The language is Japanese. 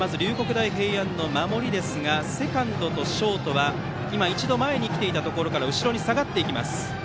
大平安の守りですがセカンドとショートは今、一度前に来ていたところから後ろに下がっていきます。